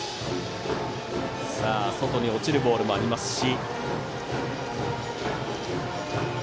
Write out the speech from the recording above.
外に落ちるボールもありますし。